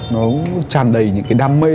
nó tràn đầy những cái đam mê